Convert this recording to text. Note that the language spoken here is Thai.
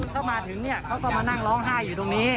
เขามาถึงเนี่ยเขาก็มานั่งร้องไห้อยู่ตรงนี้